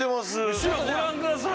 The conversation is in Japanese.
後ろご覧ください